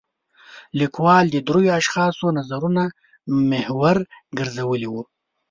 لیکوال د درېو اشخاصو نظرونه محور ګرځولی و.